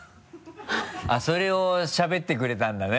それをしゃべってくれたんだね。